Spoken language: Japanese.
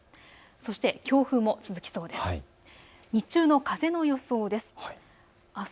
そして強風も続きそうです。